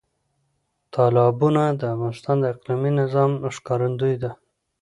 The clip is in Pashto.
تالابونه د افغانستان د اقلیمي نظام ښکارندوی ده.